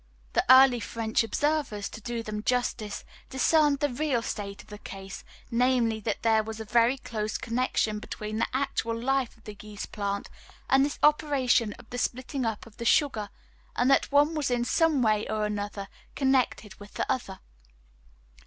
The early French observers, to do them justice, discerned the real state of the case, namely, that there was a very close connection between the actual life of the yeast plant and this operation of the splitting up of the sugar; and that one was in some way or other connected with the other.